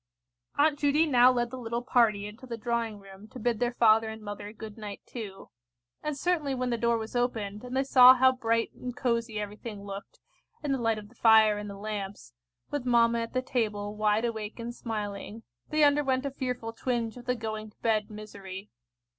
Aunt Judy now led the little party into the drawing room to bid their father and mother good night too. And certainly when the door was opened, and they saw how bright and cosy everything looked, in the light of the fire and the lamps, with mamma at the table, wide awake and smiling, they underwent a fearful twinge of the going to bed misery.